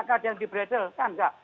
apakah ada yang diberitakan